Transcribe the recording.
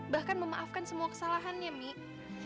bahkan memaafkan semua kesalahannya mik